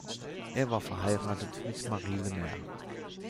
Er war verheiratet mit Marie Lemaire.